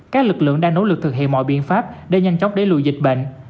các lực lượng đang nỗ lực thực hiện mọi biện pháp để nhanh chóng để lùi dịch bệnh